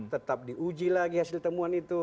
tetap diuji lagi hasil temuan itu